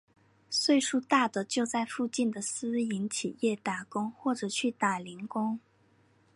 岁数大的就在附近的私营企业打工或者去打零工。